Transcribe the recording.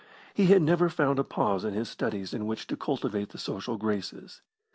He had never found a pause in his studies in which to cultivate the social graces.